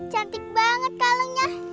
cantik banget kalungnya